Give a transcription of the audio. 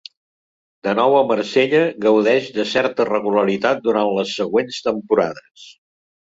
De nou a Marsella, gaudeix de certa regularitat durant les següents temporades.